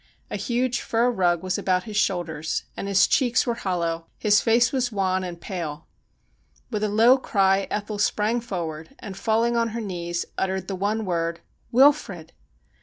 A huge fur rug was about his shoulders, and his cheeks were hollow, his face was wan and pale. With a low cry Ethel sprang forward, and, falling on her knees, uttered the one word :' Wilfrid